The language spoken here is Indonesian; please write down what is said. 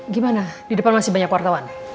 din al gimana di depan masih banyak wartawan